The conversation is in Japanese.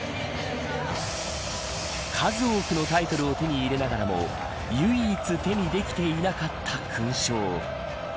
数多くのタイトルを手に入れながらも唯一手にできていなかった勲章。